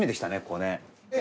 ここね。